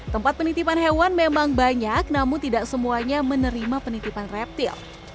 tempat penitipan hewan memang banyak namun tidak semuanya menerima penitipan reptil